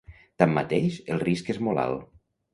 Tanmateix, el risc és molt alt.